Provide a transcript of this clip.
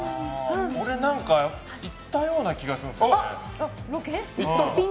俺何か行ったような気がするんですよね。